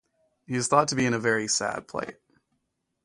He is thought to be in a very sad plight.